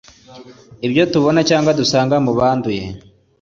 Ibyo tubona cyangwa dusanga mubanduye